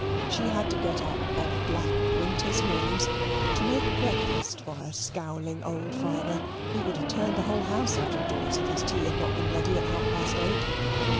She had to get up of black winter's mornings to make breakfast for her scowling old father, who would have turned the whole house out of doors if his tea had not been ready at half past eight.